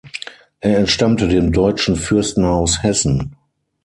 Er entstammte dem deutschen Fürstenhaus Hessen.